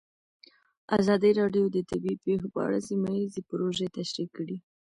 ازادي راډیو د طبیعي پېښې په اړه سیمه ییزې پروژې تشریح کړې.